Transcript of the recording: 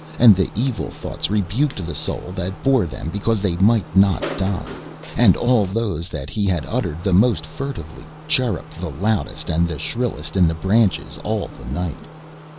And the evil thoughts rebuked the soul that bore them because they might not die. And all those that he had uttered the most furtively, chirrupped the loudest and the shrillest in the branches all the night.